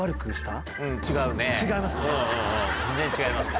違いますね。